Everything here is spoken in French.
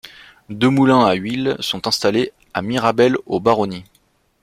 Deux moulins à huile sont installés à Mirabel-aux-Baronnies.